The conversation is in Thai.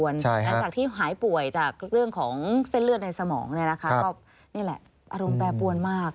นี่แหละอารมณ์แปรปวนมาก